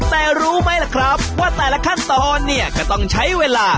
แต่รู้ไหมล่ะครับว่าแต่ละขั้นตอนเนี่ยก็ต้องใช้เวลา